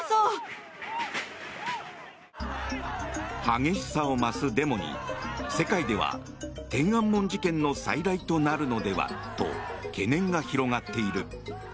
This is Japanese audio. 激しさを増すデモに、世界では天安門事件の再来となるのではと懸念が広がっている。